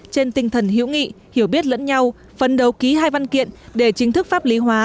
trên tinh thần hiểu nghị hiểu biết lẫn nhau phần đầu ký hai văn kiện để chính thức pháp lý hóa